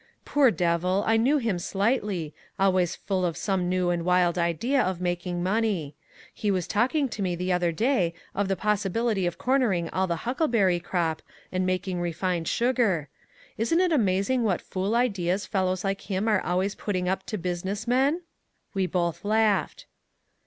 "Poor devil. I knew him slightly, always full of some new and wild idea of making money. He was talking to me the other day of the possibility of cornering all the huckleberry crop and making refined sugar. Isn't it amazing what fool ideas fellows like him are always putting up to business men?" We both laughed.